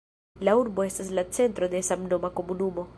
La urbo estas la centro de samnoma komunumo.